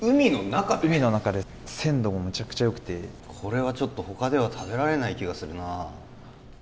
海の中で鮮度もめちゃくちゃよくてこれはちょっと他では食べられない気がするな